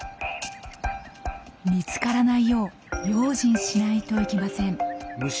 見つからないよう用心しないといけません。